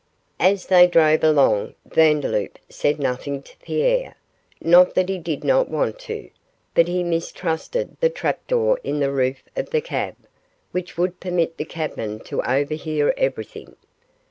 As they drove along Vandeloup said nothing to Pierre, not that he did not want to, but he mistrusted the trap door in the roof of the cab, which would permit the cabman to overhear everything.